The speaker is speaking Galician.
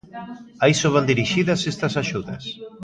A iso van dirixidas estas axudas.